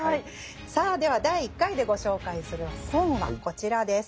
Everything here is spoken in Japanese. さあでは第１回でご紹介する本はこちらです。